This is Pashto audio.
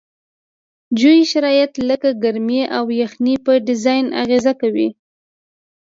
جوي شرایط لکه ګرمي او یخنۍ په ډیزاین اغیزه کوي